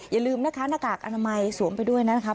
อย่าลืมนะคะหน้ากากอนามัยสวมไปด้วยนะครับ